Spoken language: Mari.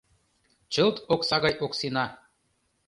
Чылт окса гай Оксина